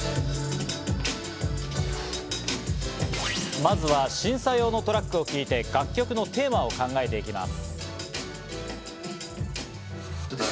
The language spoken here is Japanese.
まずは審査用のトラックを聞いて楽曲のテーマを考えていきます。